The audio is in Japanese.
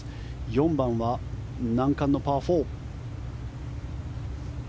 ４番は難関のパー４。